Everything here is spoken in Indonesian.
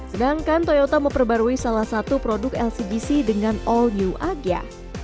sedangkan toyota memperbarui salah satu produk lcgc dengan all new agya